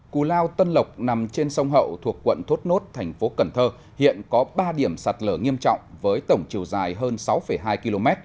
cù lao tân lộc nằm trên sông hậu thuộc quận thốt nốt thành phố cần thơ hiện có ba điểm sạt lở nghiêm trọng với tổng chiều dài hơn sáu hai km